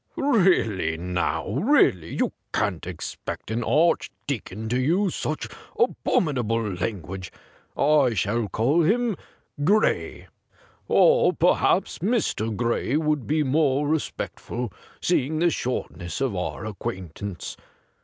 ' Really, now, really, you can't expect an Archdeacon to use such abominable language. I shall call him Gray — or perhaps Mr. Gray would be more respectful, seeing the shortness of our acquaintance.